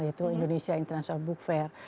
yaitu indonesia international book fair